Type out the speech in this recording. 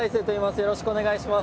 よろしくお願いします。